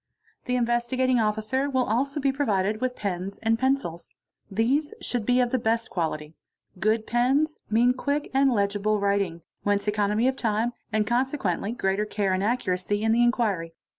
The Investigating Officer will also be provided with pens and ils. These should be of the best quality. Good pens mean quick and 1 dle writing, whence economy of time and consequently greater care and re y in the inquiry.